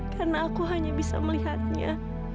karena aku hanya bisa melihatnya